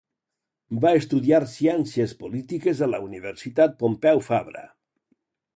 Va estudiar Ciències Polítiques a la Universitat Pompeu Fabra.